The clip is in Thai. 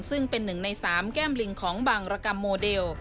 ซึ่งเป็นหนึ่งในสามแก้มลิงของบังรกรรมโมเดล